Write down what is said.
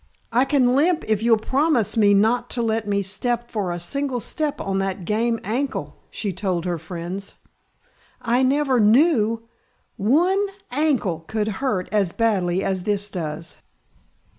"I can limp if you'll promise me not to let me step for a single step on that game ankle," she told her friends. "I never knew one ankle could hurt as badly as this does."